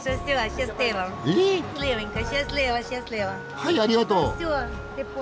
はいありがとう。